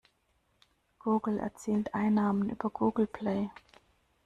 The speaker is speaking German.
Google erzielt Einnahmen über Google Play.